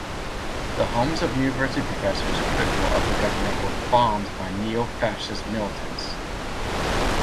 The homes of university professors critical of the government were bombed by neo-fascist militants.